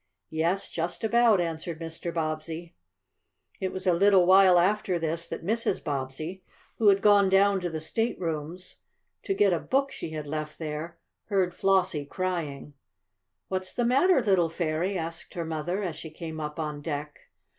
"Yes, just about," answered Mr. Bobbsey. It was a little while after this that Mrs. Bobbsey, who had gone down to the staterooms, to get a book she had left there, heard Flossie crying. "What's the matter, little fairy?" asked her mother, as she came up on deck.